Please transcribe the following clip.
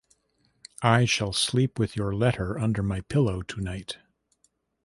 I shall sleep with your letter under my pillow tonight.